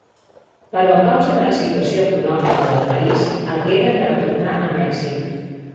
Però a causa de la situació econòmica del país hagueren de retornar a Mèxic.